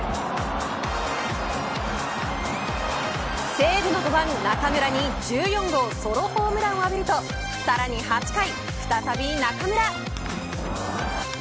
西武の５番、中村に１４号ソロホームランを浴びるとさらに８回、再び中村。